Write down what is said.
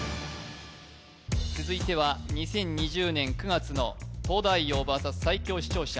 続いては２０２０年９月の「東大王ＶＳ最強視聴者」